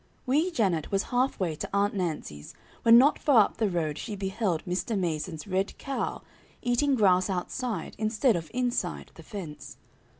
Wee Janet was half way to Aunt Nancy's when not far up the road she beheld Mr. Mason's red cow eating grass outside instead of inside the fence.